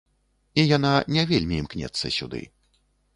І яна не вельмі імкнецца сюды.